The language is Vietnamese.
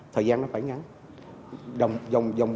thời gian nó phải ngắn